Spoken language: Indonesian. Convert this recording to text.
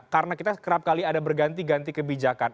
karena kita kerap kali ada berganti ganti kebijakan